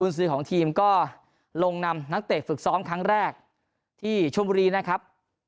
ซื้อของทีมก็ลงนำนักเตะฝึกซ้อมครั้งแรกที่ชมบุรีนะครับ